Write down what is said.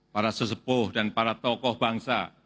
para sesepuh dan para tokoh bangsa